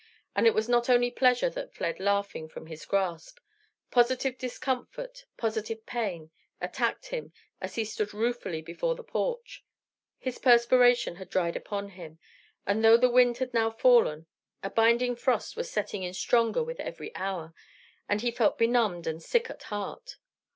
And it was not only pleasure that fled laughing from his grasp; positive discomfort, positive pain, attacked him as he stood ruefully before the porch. His perspiration had dried upon him; and though the wind had now fallen, a binding frost was setting in stronger with every hour, and he felt benumbed and sick at heart.